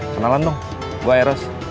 kenalan dong gua eros